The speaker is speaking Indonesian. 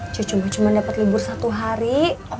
cucu gue cuma dapat libur satu hari